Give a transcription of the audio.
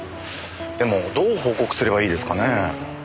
でもどう報告すればいいですかねえ。